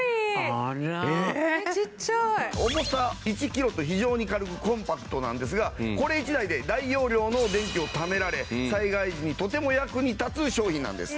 重さ１キロと非常に軽くコンパクトなんですがこれ１台で大容量の電気をためられ災害時にとても役に立つ商品なんです。